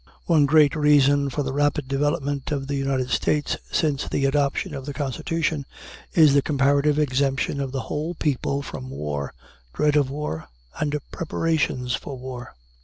One great reason for the rapid development of the United States since the adoption of the Constitution is the comparative exemption of the whole people from war, dread of war, and preparations for war.